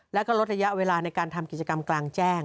แล้วก็ลดระยะเวลาในการทำกิจกรรมกลางแจ้ง